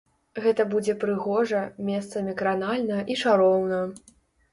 Гэта будзе прыгожа, месцамі кранальна і чароўна.